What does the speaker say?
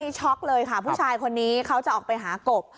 นี่ช็อกเลยค่ะผู้ชายคนนี้เขาจะออกไปหากบ